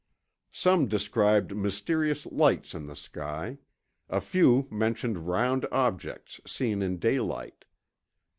Some described mysterious lights in the sky; a few mentioned round objects seen in daylight.